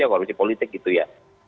adalah korupsi politik gitu ya